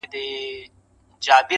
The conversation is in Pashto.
کډه وکړه هغه ښار ته چي آباد سې!!